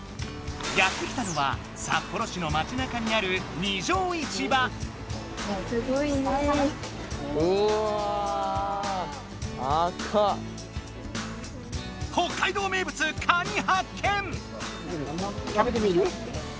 やって来たのは札幌市のまちなかにある北海道名物カニ発見！